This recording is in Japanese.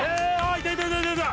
いたいたいたいた！